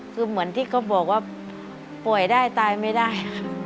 คือเหมือนที่เขาบอกว่าป่วยได้ตายไม่ได้